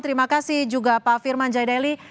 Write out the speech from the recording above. terima kasih juga pak firman jaideli